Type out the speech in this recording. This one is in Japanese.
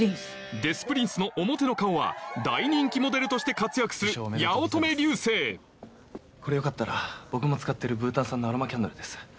デス・プリンスの表の顔は大人気モデルとして活躍するこれよかったら僕も使ってるブータン産のアロマキャンドルです。